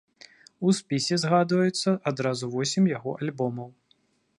У спісе ўзгадваюцца адразу восем яго альбомаў.